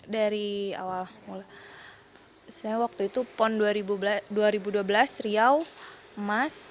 dari awal mula saya waktu itu pon dua ribu dua belas riau emas